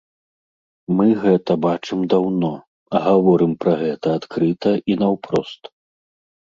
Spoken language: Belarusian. Мы гэта бачым даўно, гаворым пра гэта адкрыта і наўпрост.